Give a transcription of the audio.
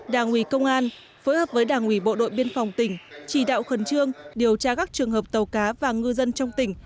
đảng ủy công an phối hợp với đảng ủy bộ đội biên phòng tỉnh chỉ đạo khẩn trương điều tra các trường hợp tàu cá và ngư dân trong tỉnh